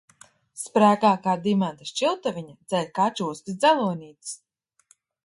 Sprēgā kā dimanta šķiltaviņa, dzeļ kā čūskas dzelonītis.